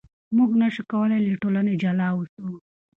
موږ نشو کولای له ټولنې جلا اوسو.